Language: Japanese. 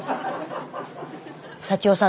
幸男さん